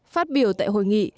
phát biểu tại hội nghị